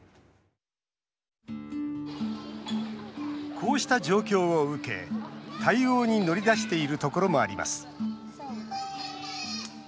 こうした状況を受け、対応に乗り出しているところもあります。